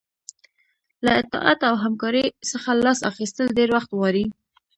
له اطاعت او همکارۍ څخه لاس اخیستل ډیر وخت غواړي.